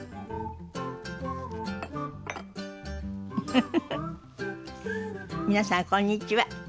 フフフフ皆さんこんにちは。